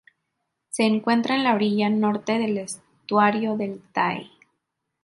Se encuentra en la orilla norte del estuario del Tay.